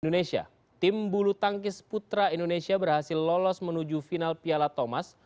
indonesia tim bulu tangkis putra indonesia berhasil lolos menuju final piala thomas